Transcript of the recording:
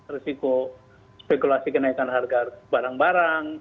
risiko spekulasi kenaikan harga barang barang